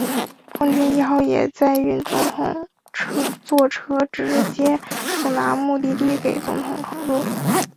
空军一号也会载运总统座车直接送达目的地给总统乘坐。